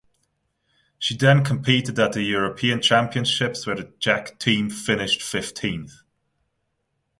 She then competed at the European Championships where the Czech team finished fifteenth.